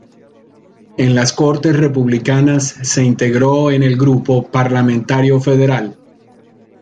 En las Cortes republicanas se integró en el grupo parlamentario federal.